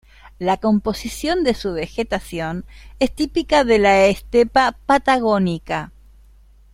La composición de su vegetación es típica de la estepa patagónica.